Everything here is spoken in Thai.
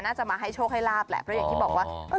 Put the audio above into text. จะมาให้โชคให้ลาบแหละเพราะอย่างที่บอกว่า